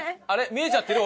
見えちゃってる？